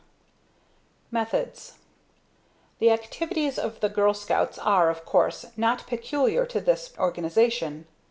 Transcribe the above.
Methods The activities of the Girl Scouts are, of course, not peculiar to this organization.